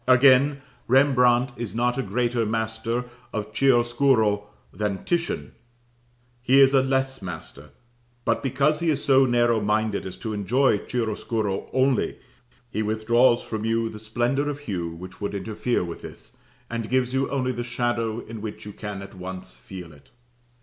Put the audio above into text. Again, Rembrandt is not a greater master of chiaroscuro than Titian; he is a less master, but because he is so narrow minded as to enjoy chiaroscuro only, he withdraws from you the splendour of hue which would interfere with this, and gives you only the shadow in which you can at once feel it.